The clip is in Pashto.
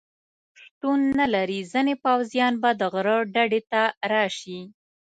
شتون نه لري، ځینې پوځیان به د غره ډډې ته راشي.